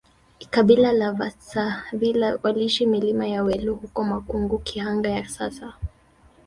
kabila la vasavila waliishi milima ya welu huko Makungu Kihanga ya sasa